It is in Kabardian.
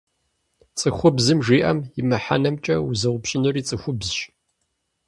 ЦӀыхубзым жиӏэм и мыхьэнэмкӀэ узэупщӀынури цӀыхубзщ.